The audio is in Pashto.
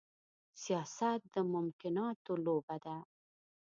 سياست د ممکناتو لوبه ده.